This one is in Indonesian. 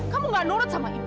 kamu gak nurut sama ibu